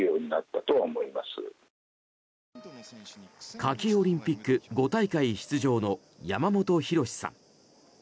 夏季オリンピック５大会出場の山本博さん。